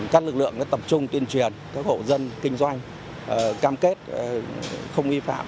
các lực lượng tập trung tuyên truyền các hộ dân kinh doanh cam kết không vi phạm